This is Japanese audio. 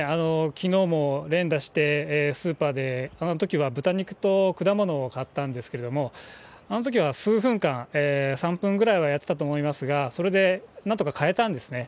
きのうも連打して、スーパーで、このときは豚肉と果物を買ったんですけれども、あのときは数分間、３分ぐらいはやってたと思いますが、それでなんとか買えたんですね。